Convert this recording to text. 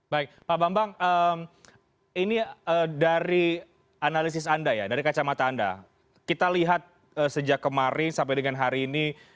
baik pak bambang ini dari analisis anda ya dari kacamata anda kita lihat sejak kemarin sampai dengan hari ini